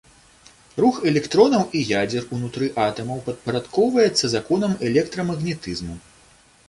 Рух электронаў і ядзер унутры атамаў падпарадкоўваецца законам электрамагнетызму.